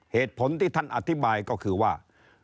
เหตุผลที่ท่านอธิบายก็คือว่า